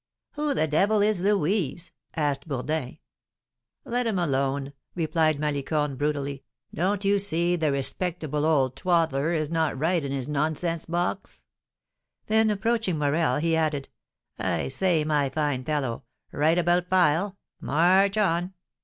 "Who the devil is Louise?" asked Bourdin. "Let him alone!" replied Malicorne, brutally; "don't you see the respectable old twaddler is not right in his nonsense box?" Then, approaching Morel, he added: "I say, my fine fellow, right about file! March on!